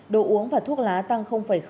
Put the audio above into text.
đồ uống và thuốc lá tăng sáu